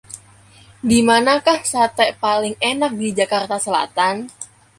Dimanakah sate paling enak di Jakarta Selatan?